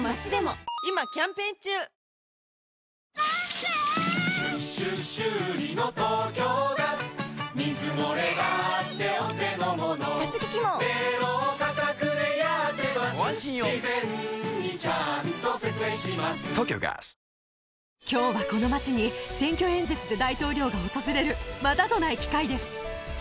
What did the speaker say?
きょうはこの町に、選挙演説で大統領が訪れる、またとない機会です。